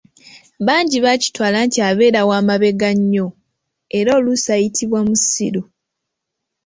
Bangi bakitwala nti abeera wa "mabega nnyo" era oluusi ayitibwa "musilu".